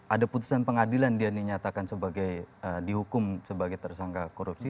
ada putusan pengadilan dia dinyatakan sebagai dihukum sebagai tersangka korupsi